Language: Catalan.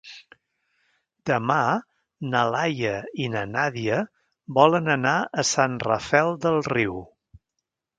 Demà na Laia i na Nàdia volen anar a Sant Rafel del Riu.